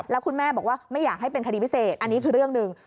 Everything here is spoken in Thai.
แล้วคุณแม่บอกว่าไม่อยากให้เป็นคดีพิเศษอันนี้คือเรื่องหนึ่ง